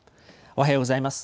おはようございます。